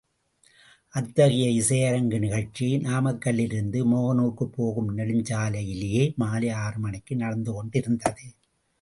அத்தகைய இசையரங்கு நிகழ்ச்சி — நாமக்கல்லிலிருந்து மோகனூர்க்குப் போகும் நெடுஞ்சாலையிலே, மாலை ஆறு மணிக்கு நடந்து கொண்டிருந்தது.